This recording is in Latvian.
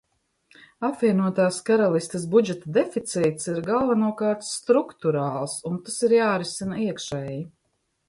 Apvienotās Karalistes budžeta deficīts ir galvenokārt strukturāls, un tas ir jārisina iekšēji.